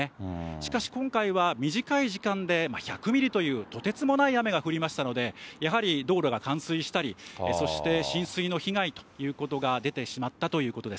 しかし、今回は短い時間で１００ミリというとてつもない雨が降りましたので、やはり道路が冠水したり、そして浸水の被害ということが出てしまったということです。